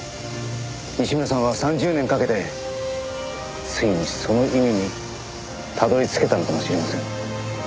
西村さんは３０年かけてついにその意味にたどりつけたのかもしれません。